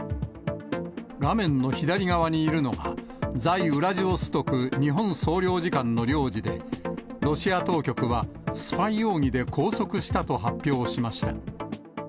画面の左側にいるのが、在ウラジオストク日本総領事館の領事で、ロシア当局は、スパイ容疑で拘束したと発表しました。